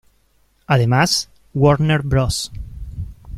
Además, Warner Bros.